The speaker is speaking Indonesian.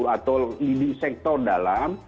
atau di sektor dalam